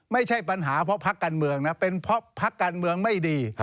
ไม่ใช่ปัญหาเพราะพักการเมืองนะเป็นเพราะพักการเมืองไม่ดี